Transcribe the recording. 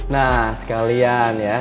nah sekalian ya